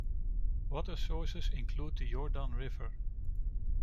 Water sources include the Jordan River.